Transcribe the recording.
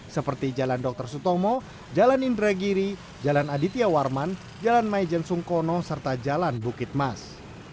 seperti jalan dr sutomo jalan indragiri jalan aditya warman jalan maijen sungkono serta jalan bukit mas